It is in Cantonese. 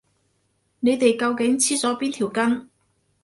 你哋究竟黐咗邊條筋？